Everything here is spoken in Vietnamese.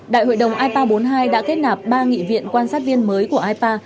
đại hội đồng ipa bốn mươi hai đã kết nạp ba nghị viện quan sát viên mới của ipa